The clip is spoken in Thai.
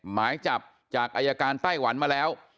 หมายจับจากอายการไต้หวันมาแล้ว